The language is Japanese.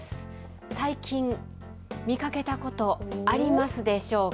最近見かけたことありますでしょうか。